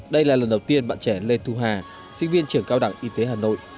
đây là lần đầu tiên bạn trẻ lê thu hà sinh viên trường cao đẳng y tế hà nội